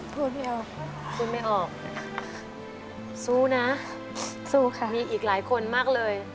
พูดไม่ออกสู้ไม่ออกสู้นะสู้ค่ะมีอีกหลายคนมากเลย